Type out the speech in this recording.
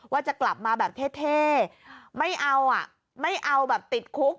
ว่าจะกลับมาแบบเท่ไม่เอาอ่ะไม่เอาแบบติดคุก